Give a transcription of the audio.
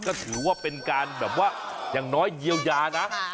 ก็ถือว่าเป็นการแบบว่าอย่างน้อยเยียวยานะ